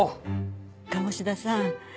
鴨志田さん